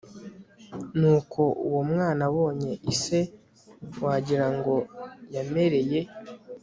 Nuko uwo mwana abonye ise wagira ngo yamereye